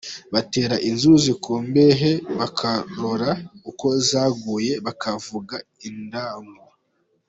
Batera inzuzi ku mbehe bakarora uko zaguye, bakavuga indagu.